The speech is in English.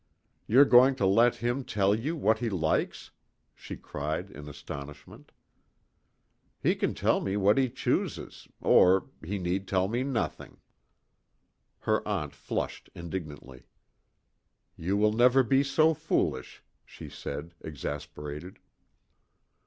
"You're going to let him tell you what he likes?" she cried in astonishment. "He can tell me what he chooses, or he need tell me nothing." Her aunt flushed indignantly. "You will never be so foolish," she said, exasperated.